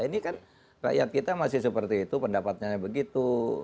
ini kan rakyat kita masih seperti itu pendapatnya begitu